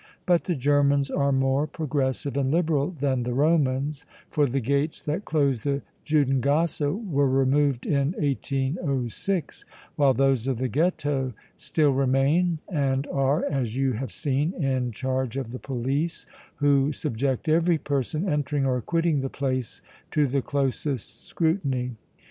But the Germans are more progressive and liberal than the Romans, for the gates that closed the Judengasse were removed in 1806, while those of the Ghetto still remain and are, as you have seen, in charge of the police, who subject every person entering or quitting the place to the closest scrutiny.